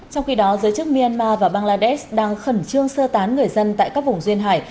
trong khi đó giới chức myanmar và bangladesh đang khẩn trương sơ tán người dân tại các vùng duyên hải